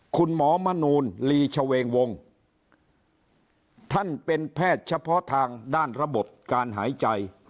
คุณหมอมนูลลีชเวงวงท่านเป็นแพทย์เฉพาะทางด้านระบบการหายใจ